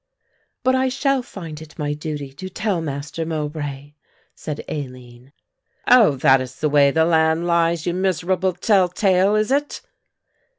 "But I shall find it my duty to tell Master Mowbray," said Aline. "Oh, that is the way the land lies, you miserable tell tale, is it?"